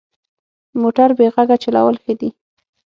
موټر بې غږه چلول ښه دي.